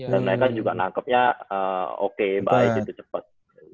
dan mereka juga nangkepnya oke baik gitu cepet